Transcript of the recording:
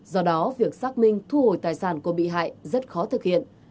do đó việc xác minh thu hồi tài sản của bị hại rất khó thực hiện